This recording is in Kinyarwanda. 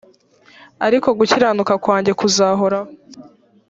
ariko gukiranuka kwanjye kuzahoraho